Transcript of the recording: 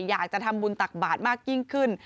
อยากจะทำบุญตักบาทมากยิ่งขึ้น